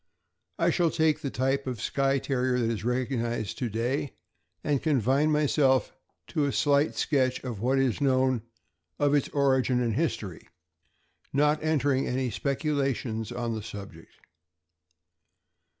I shall take the type of Skye Terrier that is recognized to day, and confine myself to a slight sketch of what is known of its origin and history, not entering into any speculations on the subject.